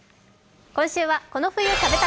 今週は「この冬食べたい！